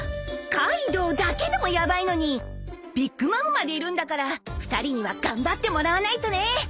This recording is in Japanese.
カイドウだけでもヤバいのにビッグ・マムまでいるんだから２人には頑張ってもらわないとね。